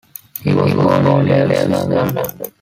He was born in Lewisham, London.